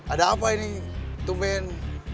ada apa ini tumpen